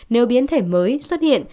nếu biến thể mới xuất hiện